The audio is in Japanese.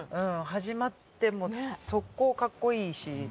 始まってもうソッコーかっこいいし。